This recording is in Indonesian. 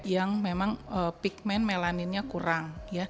yang memang pigment melaninnya kurang